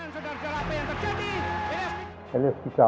pertarian sederhana apa yang terjadi